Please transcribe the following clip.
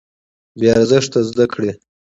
بې ارزښته زده کړې.